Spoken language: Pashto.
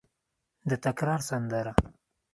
د تکرار سندره